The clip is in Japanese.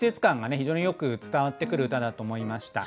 非常によく伝わってくる歌だと思いました。